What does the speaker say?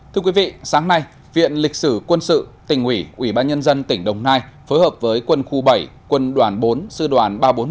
thưa quý vị sáng nay viện lịch sử quân sự tỉnh ủy ủy ban nhân dân tỉnh đồng nai phối hợp với quân khu bảy quân đoàn bốn sư đoàn ba trăm bốn mươi một